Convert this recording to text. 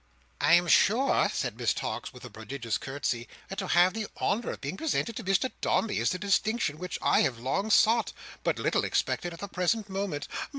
"I am sure," said Miss Tox, with a prodigious curtsey, "that to have the honour of being presented to Mr Dombey is a distinction which I have long sought, but very little expected at the present moment.